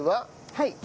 はい。